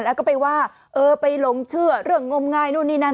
แล้วก็ไปว่าเออไปหลงเชื่อเรื่องงมงายนู่นนี่นั่น